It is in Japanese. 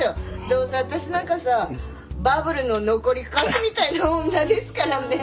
どうせ私なんかさバブルの残りかすみたいな女ですからね。